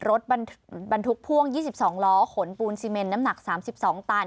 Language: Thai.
รถบรรทุกพ่วง๒๒ล้อขนปูนซีเมนน้ำหนัก๓๒ตัน